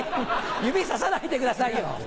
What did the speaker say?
指ささないでくださいよ。